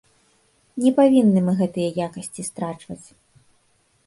Не павінны мы гэтыя якасці страчваць.